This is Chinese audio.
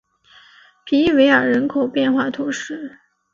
皮伊韦尔人口变化图示